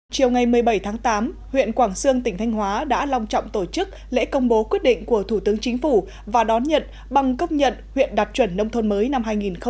chiều ngày một mươi bảy tháng tám huyện quảng sương tỉnh thanh hóa đã long trọng tổ chức lễ công bố quyết định của thủ tướng chính phủ và đón nhận bằng công nhận huyện đạt chuẩn nông thôn mới năm hai nghìn một mươi tám